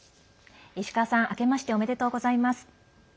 石川さんあけましておめでとうございます。